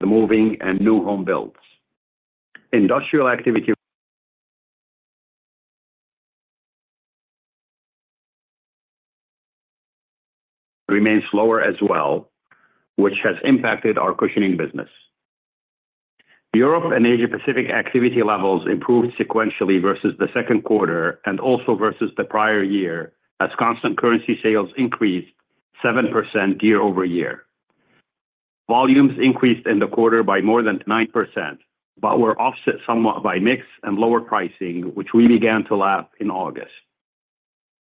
The moving and new home builds. Industrial activity remains lower as well, which has impacted our cushioning business. Europe and Asia-Pacific activity levels improved sequentially versus the second quarter and also versus the prior year as constant currency sales increased 7% year-over-year. Volumes increased in the quarter by more than 9% but were offset somewhat by mix and lower pricing, which we began to lap in August.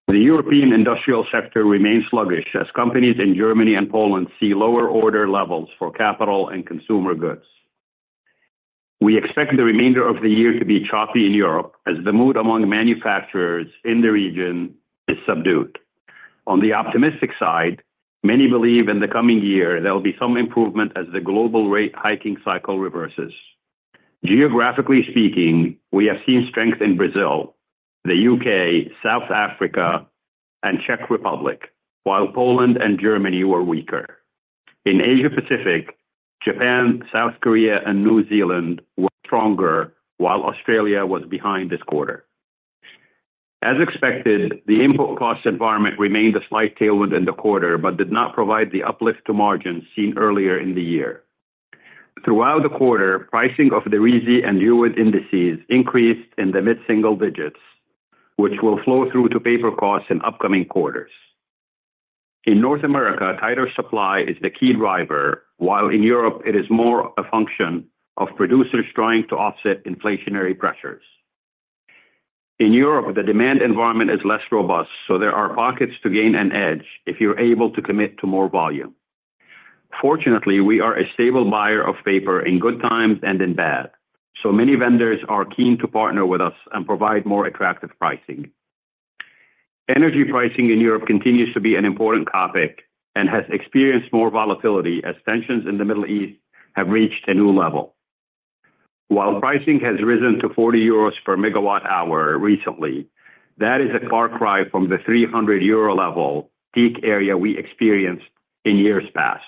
The European industrial sector remains sluggish as companies in Germany and Poland see lower order levels for capital and consumer goods. We expect the remainder of the year to be choppy in Europe as the mood among manufacturers in the region is subdued. On the optimistic side, many believe in the coming year there'll be some improvement as the global rate hiking cycle reverses. Geographically speaking, we have seen strength in Brazil, the U.K., South Africa, and Czech Republic, while Poland and Germany were weaker. In Asia-Pacific, Japan, South Korea, and New Zealand were stronger, while Australia was behind this quarter. As expected, the input cost environment remained a slight tailwind in the quarter but did not provide the uplift to margins seen earlier in the year. Throughout the quarter, pricing of the RISI and EUWID indices increased in the mid-single digits, which will flow through to paper costs in upcoming quarters. In North America, tighter supply is the key driver, while in Europe it is more a function of producers trying to offset inflationary pressures. In Europe, the demand environment is less robust, so there are pockets to gain an edge if you're able to commit to more volume. Fortunately, we are a stable buyer of paper in good times and in bad, so many vendors are keen to partner with us and provide more attractive pricing. Energy pricing in Europe continues to be an important topic and has experienced more volatility as tensions in the Middle East have reached a new level. While pricing has risen to 40 euros per megawatt hour recently, that is a far cry from the 300 euro level peak area we experienced in years past.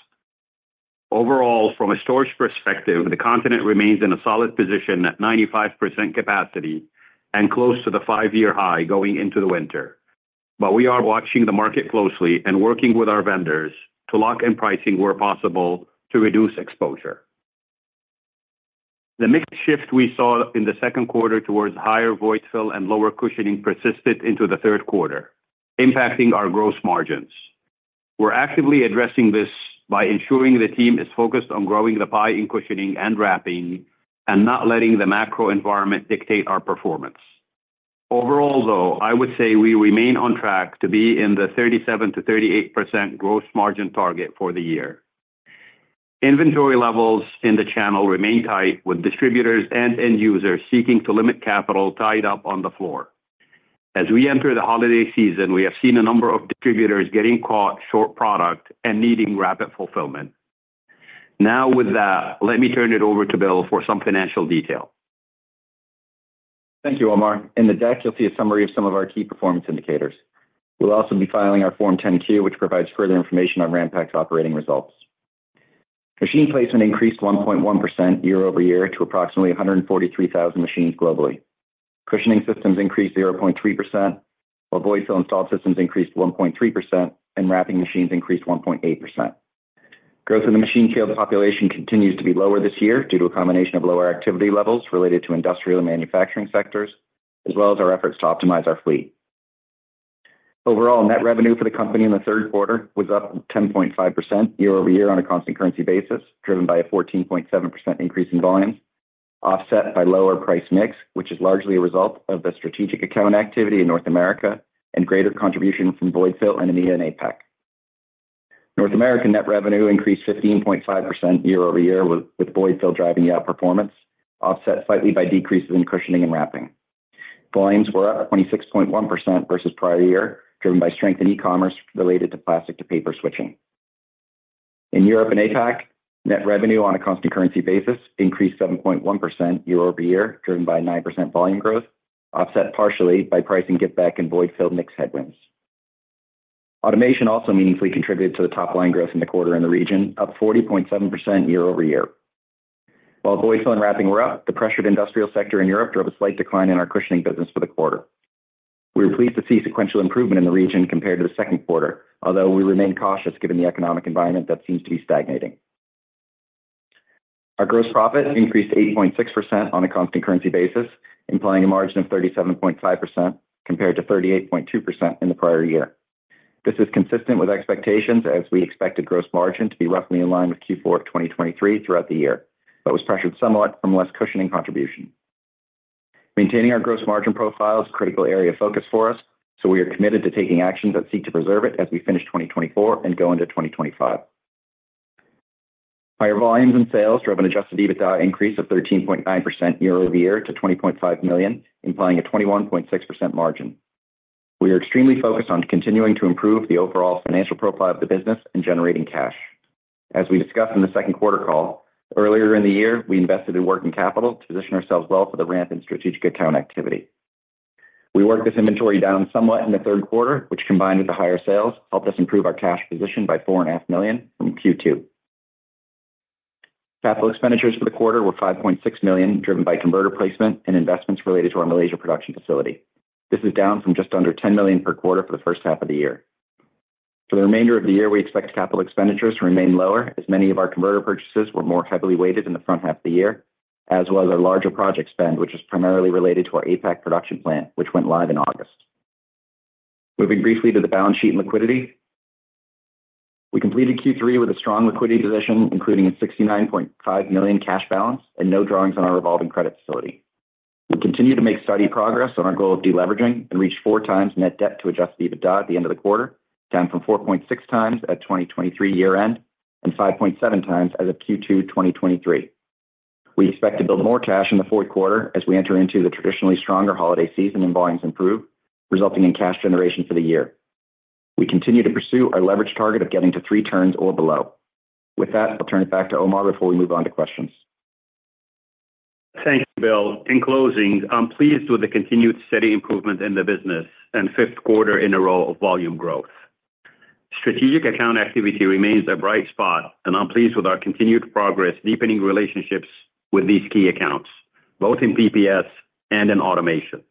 Overall, from a storage perspective, the continent remains in a solid position at 95% capacity and close to the five-year high going into the winter, but we are watching the market closely and working with our vendors to lock in pricing where possible to reduce exposure. The mixed shift we saw in the second quarter towards higher void fill and lower cushioning persisted into the third quarter, impacting our gross margins. We're actively addressing this by ensuring the team is focused on growing the pie in cushioning and wrapping and not letting the macro environment dictate our performance. Overall, though, I would say we remain on track to be in the 37%-38% gross margin target for the year. Inventory levels in the channel remain tight, with distributors and end users seeking to limit capital tied up on the floor. As we enter the holiday season, we have seen a number of distributors getting caught short product and needing rapid fulfillment. Now, with that, let me turn it over to Bill for some financial detail. Thank you, Omar. In the deck, you'll see a summary of some of our key performance indicators. We'll also be filing our Form 10-Q, which provides further information on Ranpak's operating results. Machine placement increased 1.1% year-over-year to approximately 143,000 machines globally. Cushioning systems increased 0.3%, void fill installed systems increased 1.3%, and wrapping machines increased 1.8%. Growth in the machine field population continues to be lower this year due to a combination of lower activity levels related to industrial and manufacturing sectors, as well as our efforts to optimize our fleet. Overall, net revenue for the company in the third quarter was up 10.5% year-over-year on a constant currency basis, driven by a 14.7% increase in volumes, offset by lower price mix, which is largely a result of the strategic account activity in North America and greater contribution from void fill and EMEA. North America net revenue increased 15.5% year-over-year, with void fill driving outperformance, offset slightly by decreases in cushioning and wrapping. Volumes were up 26.1% versus prior year, driven by strength in e-commerce related to plastic-to-paper switching. In Europe and APAC, net revenue on a constant currency basis increased 7.1% year-over-year, driven by 9% volume growth, offset partially by pricing giveback and void fill mix headwinds. Automation also meaningfully contributed to the top line growth in the quarter in the region, up 40.7% year-over-year. While void fill and wrapping were up, the pressured industrial sector in Europe drove a slight decline in our cushioning business for the quarter. We're pleased to see sequential improvement in the region compared to the second quarter, although we remain cautious given the economic environment that seems to be stagnating. Our gross profit increased 8.6% on a constant currency basis, implying a margin of 37.5% compared to 38.2% in the prior year. This is consistent with expectations as we expected gross margin to be roughly in line with Q4 2023 throughout the year, but was pressured somewhat from less cushioning contribution. Maintaining our gross margin profile is a critical area of focus for us, so we are committed to taking actions that seek to preserve it as we finish 2024 and go into 2025. Higher volumes and sales drove an Adjusted EBITDA increase of 13.9% year-over-year to $20.5 million, implying a 21.6% margin. We are extremely focused on continuing to improve the overall financial profile of the business and generating cash. As we discussed in the second quarter call, earlier in the year, we invested in working capital to position ourselves well for the ramp in strategic account activity. We worked this inventory down somewhat in the third quarter, which combined with the higher sales helped us improve our cash position by $4.5 million from Q2. Capital expenditures for the quarter were $5.6 million, driven by converter placement and investments related to our Malaysia production facility. This is down from just under $10 million per quarter for the first half of the year. For the remainder of the year, we expect capital expenditures to remain lower as many of our converter purchases were more heavily weighted in the front half of the year, as well as our larger project spend, which is primarily related to our APAC production plant, which went live in August. Moving briefly to the balance sheet and liquidity, we completed Q3 with a strong liquidity position, including a $69.5 million cash balance and no drawings on our revolving credit facility. We continue to make steady progress on our goal of deleveraging and reach four times net debt to Adjusted EBITDA at the end of the quarter, down from 4.6 times at 2023 year-end and 5.7 times as of Q2 2023. We expect to build more cash in the fourth quarter as we enter into the traditionally stronger holiday season and volumes improve, resulting in cash generation for the year. We continue to pursue our leverage target of getting to three turns or below. With that, I'll turn it back to Omar before we move on to questions. Thank you, Bill. In closing, I'm pleased with the continued steady improvement in the business and fifth quarter in a row of volume growth. Strategic account activity remains a bright spot, and I'm pleased with our continued progress deepening relationships with these key accounts, both in PPS and in automation.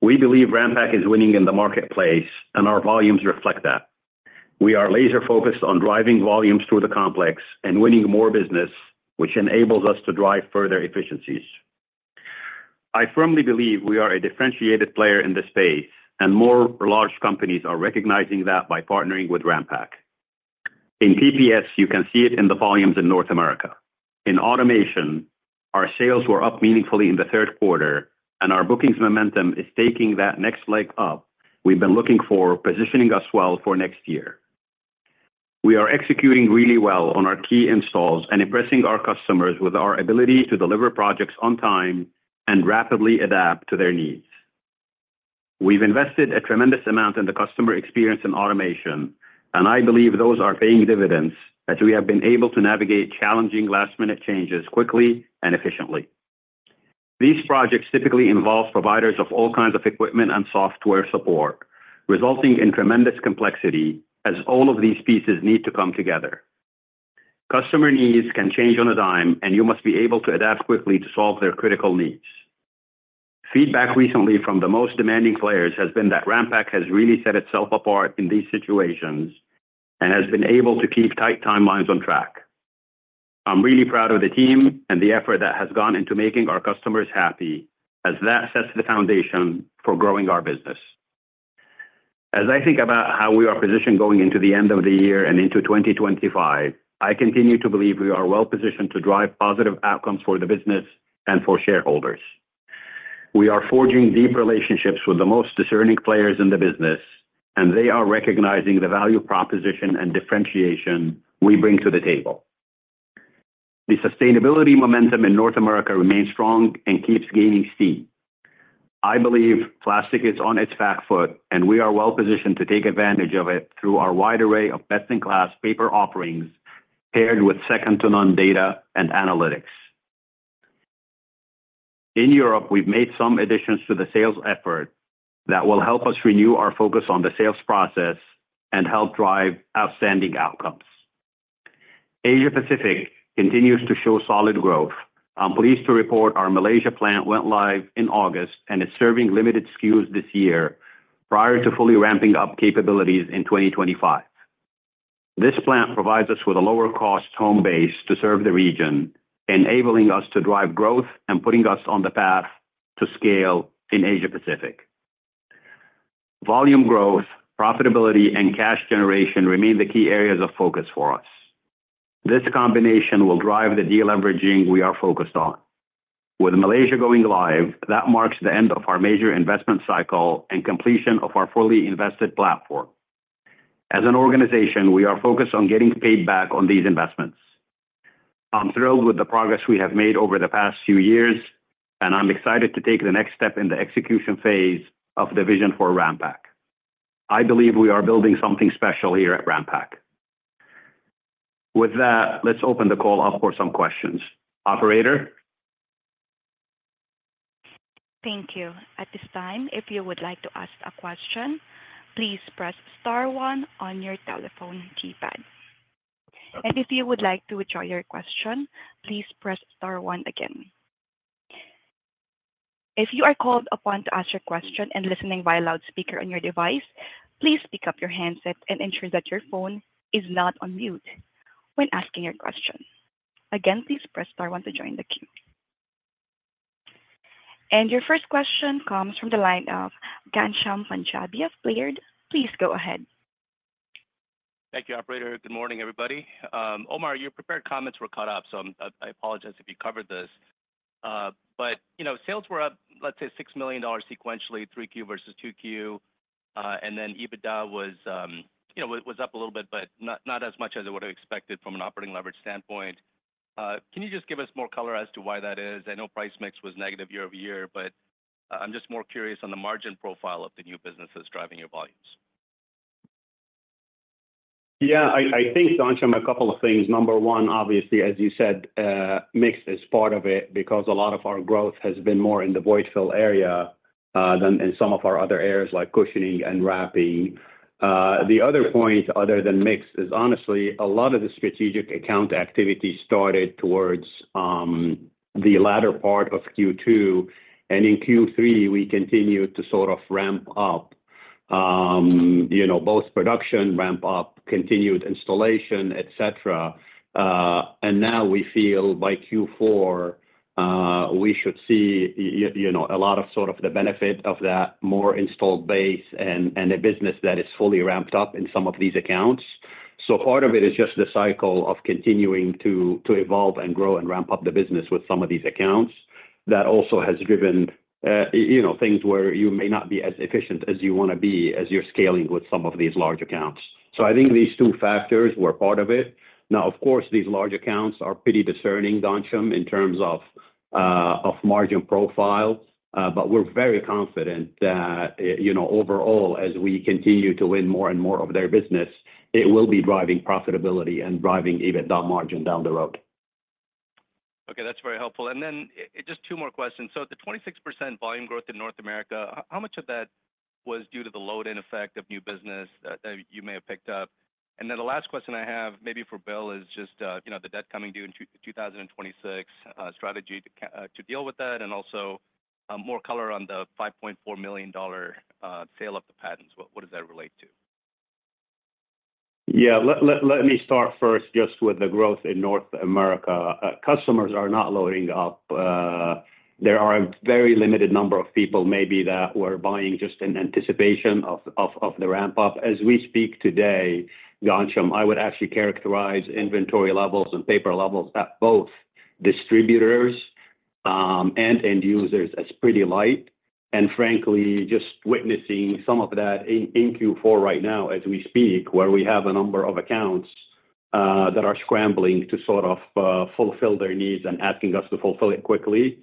We believe Ranpak is winning in the marketplace, and our volumes reflect that. We are laser-focused on driving volumes through the complex and winning more business, which enables us to drive further efficiencies. I firmly believe we are a differentiated player in this space, and more large companies are recognizing that by partnering with Ranpak. In PPS, you can see it in the volumes in North America. In automation, our sales were up meaningfully in the third quarter, and our bookings momentum is taking that next leg up we've been looking for, positioning us well for next year. We are executing really well on our key installs and impressing our customers with our ability to deliver projects on time and rapidly adapt to their needs. We've invested a tremendous amount in the customer experience and automation, and I believe those are paying dividends as we have been able to navigate challenging last-minute changes quickly and efficiently. These projects typically involve providers of all kinds of equipment and software support, resulting in tremendous complexity as all of these pieces need to come together. Customer needs can change on a dime, and you must be able to adapt quickly to solve their critical needs. Feedback recently from the most demanding players has been that Ranpak has really set itself apart in these situations and has been able to keep tight timelines on track. I'm really proud of the team and the effort that has gone into making our customers happy, as that sets the foundation for growing our business. As I think about how we are positioned going into the end of the year and into 2025, I continue to believe we are well positioned to drive positive outcomes for the business and for shareholders. We are forging deep relationships with the most discerning players in the business, and they are recognizing the value proposition and differentiation we bring to the table. The sustainability momentum in North America remains strong and keeps gaining steam. I believe plastic is on its back foot, and we are well positioned to take advantage of it through our wide array of best-in-class paper offerings paired with second-to-none data and analytics. In Europe, we've made some additions to the sales effort that will help us renew our focus on the sales process and help drive outstanding outcomes. Asia-Pacific continues to show solid growth. I'm pleased to report our Malaysia plant went live in August and is serving limited SKUs this year prior to fully ramping up capabilities in 2025. This plant provides us with a lower-cost home base to serve the region, enabling us to drive growth and putting us on the path to scale in Asia-Pacific. Volume growth, profitability, and cash generation remain the key areas of focus for us. This combination will drive the deleveraging we are focused on. With Malaysia going live, that marks the end of our major investment cycle and completion of our fully invested platform. As an organization, we are focused on getting paid back on these investments. I'm thrilled with the progress we have made over the past few years, and I'm excited to take the next step in the execution phase of the vision for Ranpak. I believe we are building something special here at Ranpak. With that, let's open the call up for some questions. Operator? Thank you. At this time, if you would like to ask a question, please press star one on your telephone keypad. And if you would like to withdraw your question, please press star one again. If you are called upon to ask your question and listening via loudspeaker on your device, please pick up your handset and ensure that your phone is not on mute when asking your question. Again, please press star one to join the queue. And your first question comes from the line of Ghansham Panjabi of Baird. Please go ahead. Thank you, Operator. Good morning, everybody. Omar, your prepared comments were cut up, so I apologize if you covered this. But sales were up, let's say, $6 million sequentially, three Q versus two Q, and then EBITDA was up a little bit, but not as much as I would have expected from an operating leverage standpoint. Can you just give us more color as to why that is? I know price mix was negative year-over-year, but I'm just more curious on the margin profile of the new businesses driving your volumes. Yeah, I think, Ghansham, a couple of things. Number one, obviously, as you said, mix is part of it because a lot of our growth has been more in the void fill area than in some of our other areas like cushioning and wrapping. The other point, other than mix, is honestly, a lot of the strategic account activity started towards the latter part of Q2, and in Q3, we continued to sort of ramp up both production, ramp up continued installation, etc., and now we feel by Q4, we should see a lot of sort of the benefit of that more installed base and a business that is fully ramped up in some of these accounts, so part of it is just the cycle of continuing to evolve and grow and ramp up the business with some of these accounts. That also has driven things where you may not be as efficient as you want to be as you're scaling with some of these large accounts. So I think these two factors were part of it. Now, of course, these large accounts are pretty discerning, Ghansham, in terms of margin profile, but we're very confident that overall, as we continue to win more and more of their business, it will be driving profitability and driving EBITDA margin down the road. Okay, that's very helpful. And then just two more questions. So the 26% volume growth in North America, how much of that was due to the load-in effect of new business that you may have picked up? And then the last question I have, maybe for Bill, is just the debt coming due in 2026, strategy to deal with that and also more color on the $5.4 million sale of the patents? What does that relate to? Yeah, let me start first just with the growth in North America. Customers are not loading up. There are a very limited number of people maybe that were buying just in anticipation of the ramp-up. As we speak today, Ghansham, I would actually characterize inventory levels and paper levels at both distributors and end users as pretty light. And frankly, just witnessing some of that in Q4 right now as we speak, where we have a number of accounts that are scrambling to sort of fulfill their needs and asking us to fulfill it quickly.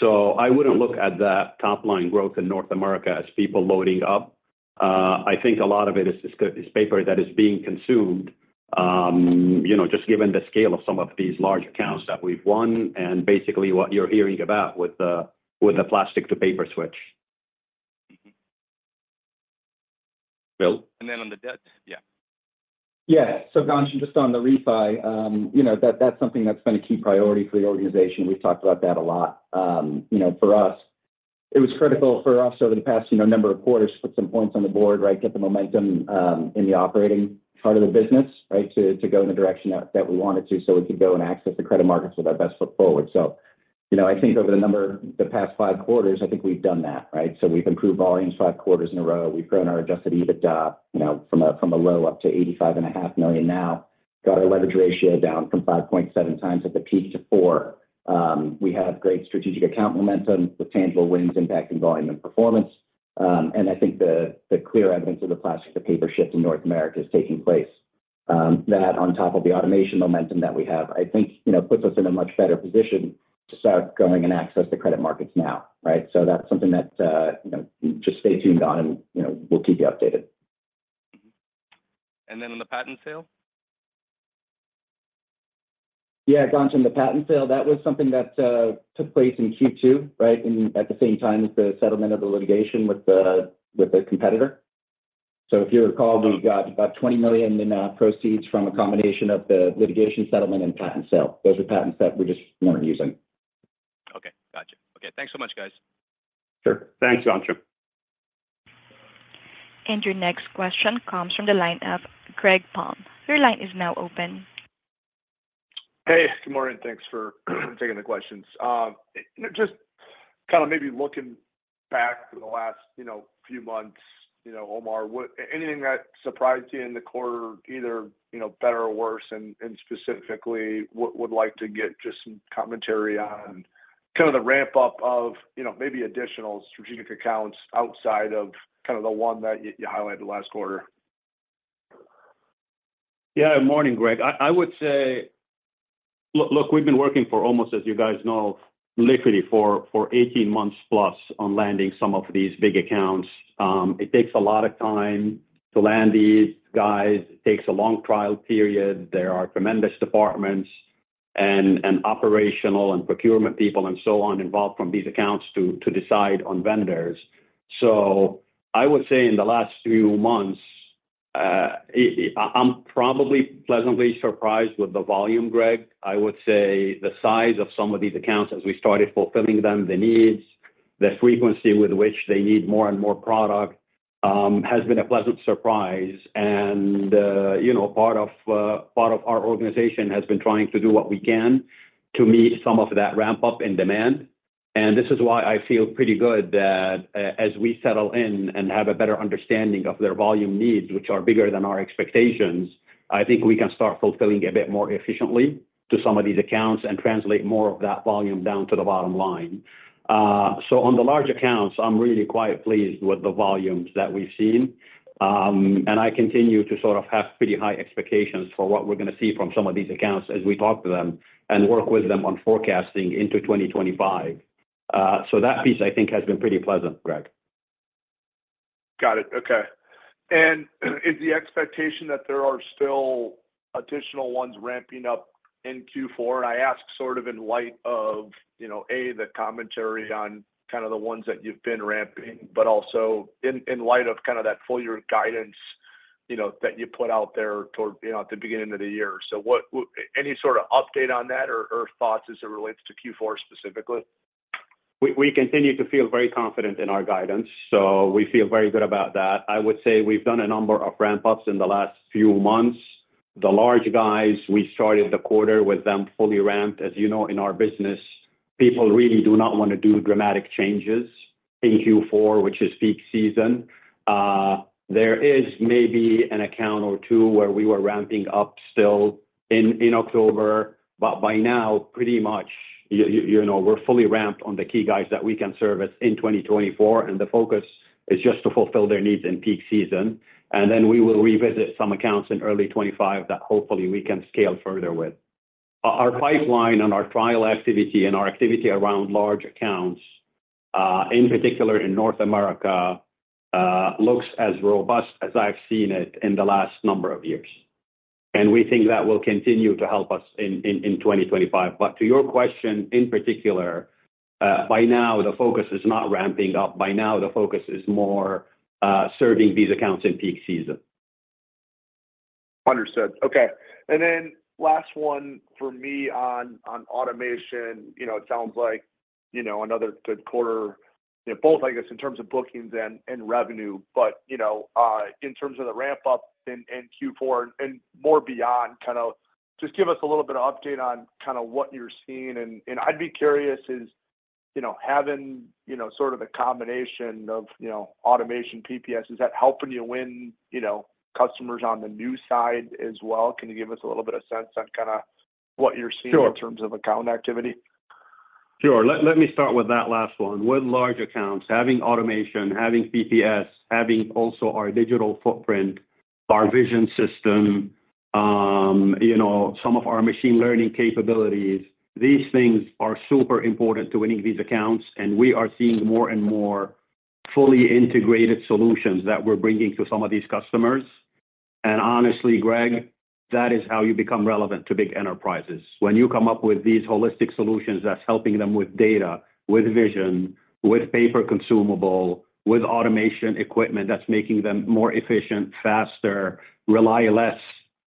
So I wouldn't look at that top line growth in North America as people loading up. I think a lot of it is paper that is being consumed, just given the scale of some of these large accounts that we've won and basically what you're hearing about with the plastic-to-paper switch. Bill? And then on the debt, yeah. Yeah, so Ghansham, just on the refi, that's something that's been a key priority for the organization. We've talked about that a lot. For us, it was critical for us over the past number of quarters to put some points on the board, right, get the momentum in the operating part of the business, right, to go in the direction that we wanted to so we could go and access the credit markets with our best foot forward. So I think over the past five quarters, I think we've done that, right? So we've improved volumes five quarters in a row. We've grown our Adjusted EBITDA from a low up to $85.5 million now. Got our leverage ratio down from 5.7 times at the peak to 4. We have great strategic account momentum with tangible wins impacting volume and performance. And I think the clear evidence of the plastic-to-paper shift in North America is taking place. That on top of the automation momentum that we have, I think puts us in a much better position to start going and access the credit markets now, right? So that's something that just stay tuned on, and we'll keep you updated. And then on the patent sale? Yeah, Ghansham, the patent sale, that was something that took place in Q2, right, at the same time as the settlement of the litigation with the competitor. So if you recall, we got about $20 million in proceeds from a combination of the litigation settlement and patent sale. Those are patents that we just weren't using. Okay, gotcha. Okay, thanks so much, guys. Sure. Thanks, Ghansham. And your next question comes from the line of Greg Palm. Your line is now open. Hey, good morning. Thanks for taking the questions. Just kind of maybe looking back to the last few months, Omar, anything that surprised you in the quarter, either better or worse, and specifically would like to get just some commentary on kind of the ramp-up of maybe additional strategic accounts outside of kind of the one that you highlighted last quarter? Yeah, good morning, Greg. I would say, look, we've been working for almost, as you guys know, literally for 18 months plus on landing some of these big accounts. It takes a lot of time to land these guys. It takes a long trial period. There are tremendous departments and operational and procurement people and so on involved from these accounts to decide on vendors. So I would say in the last few months, I'm probably pleasantly surprised with the volume, Greg. I would say the size of some of these accounts as we started fulfilling them, the needs, the frequency with which they need more and more product has been a pleasant surprise. And part of our organization has been trying to do what we can to meet some of that ramp-up in demand. This is why I feel pretty good that as we settle in and have a better understanding of their volume needs, which are bigger than our expectations, I think we can start fulfilling a bit more efficiently to some of these accounts and translate more of that volume down to the bottom line. On the large accounts, I'm really quite pleased with the volumes that we've seen. I continue to sort of have pretty high expectations for what we're going to see from some of these accounts as we talk to them and work with them on forecasting into 2025. That piece, I think, has been pretty pleasant, Greg. Got it. Okay. And is the expectation that there are still additional ones ramping up in Q4? And I ask sort of in light of, A, the commentary on kind of the ones that you've been ramping, but also in light of kind of that full year guidance that you put out there toward at the beginning of the year. So any sort of update on that or thoughts as it relates to Q4 specifically? We continue to feel very confident in our guidance, so we feel very good about that. I would say we've done a number of ramp-ups in the last few months. The large guys, we started the quarter with them fully ramped. As you know, in our business, people really do not want to do dramatic changes in Q4, which is peak season. There is maybe an account or two where we were ramping up still in October, but by now, pretty much we're fully ramped on the key guys that we can service in 2024, and the focus is just to fulfill their needs in peak season, and then we will revisit some accounts in early 2025 that hopefully we can scale further with. Our pipeline and our trial activity and our activity around large accounts, in particular in North America, looks as robust as I've seen it in the last number of years, and we think that will continue to help us in 2025, but to your question, in particular, by now, the focus is not ramping up. By now, the focus is more serving these accounts in peak season. Understood. Okay. And then last one for me on automation. It sounds like another good quarter, both, I guess, in terms of bookings and revenue, but in terms of the ramp-up in Q4 and more beyond, kind of just give us a little bit of update on kind of what you're seeing. And I'd be curious, having sort of the combination of automation PPS, is that helping you win customers on the new side as well? Can you give us a little bit of sense on kind of what you're seeing in terms of account activity? Sure. Let me start with that last one. With large accounts, having automation, having PPS, having also our digital footprint, our vision system, some of our machine learning capabilities, these things are super important to winning these accounts. And we are seeing more and more fully integrated solutions that we're bringing to some of these customers. And honestly, Greg, that is how you become relevant to big enterprises. When you come up with these holistic solutions that's helping them with data, with vision, with paper consumable, with automation equipment that's making them more efficient, faster, rely less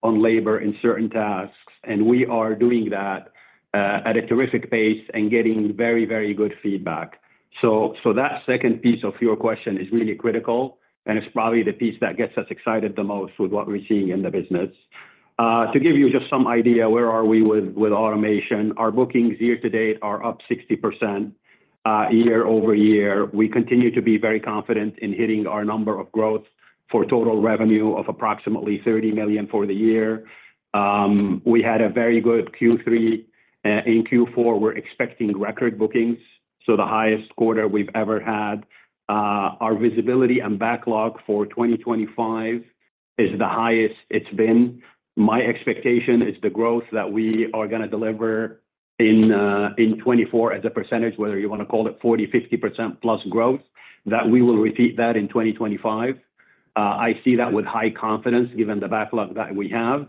on labor in certain tasks. And we are doing that at a terrific pace and getting very, very good feedback. So that second piece of your question is really critical, and it's probably the piece that gets us excited the most with what we're seeing in the business. To give you just some idea, where are we with automation? Our bookings year to date are up 60% year-over-year. We continue to be very confident in hitting our number of growth for total revenue of approximately $30 million for the year. We had a very good Q3. In Q4, we're expecting record bookings, so the highest quarter we've ever had. Our visibility and backlog for 2025 is the highest it's been. My expectation is the growth that we are going to deliver in 2024 as a percentage, whether you want to call it 40%-50% plus growth, that we will repeat that in 2025. I see that with high confidence given the backlog that we have.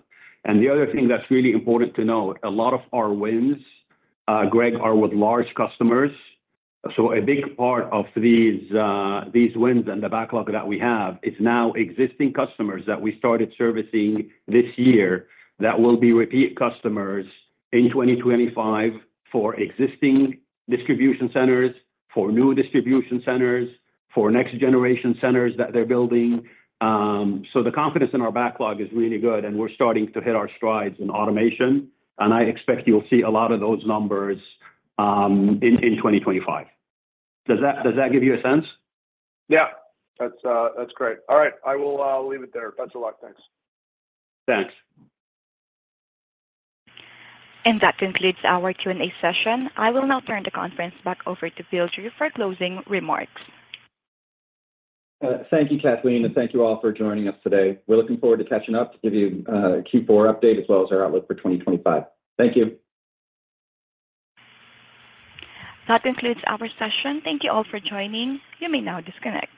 And the other thing that's really important to note, a lot of our wins, Greg, are with large customers. So a big part of these wins and the backlog that we have is now existing customers that we started servicing this year that will be repeat customers in 2025 for existing distribution centers, for new distribution centers, for next-generation centers that they're building. So the confidence in our backlog is really good, and we're starting to hit our strides in automation. And I expect you'll see a lot of those numbers in 2025. Does that give you a sense? Yeah, that's great. All right, I will leave it there. Thanks a lot. Thanks. Thanks. That concludes our Q&A session. I will now turn the conference back over to Bill Drew for closing remarks. Thank you, Kathleen, and thank you all for joining us today. We're looking forward to catching up to give you a Q4 update as well as our outlook for 2025. Thank you. That concludes our session. Thank you all for joining. You may now disconnect.